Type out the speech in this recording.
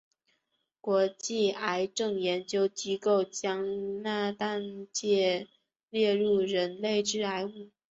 国际癌症研究机构将萘氮芥列为人类致癌物。